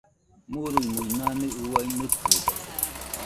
Murui-muinanɨ uai nɨkɨdo.